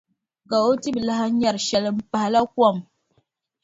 Ka o ti bi lahi nyari shɛli m-pahila kom.